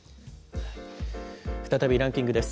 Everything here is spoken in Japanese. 再びランキングです。